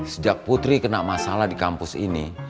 sejak putri kena masalah di kampus ini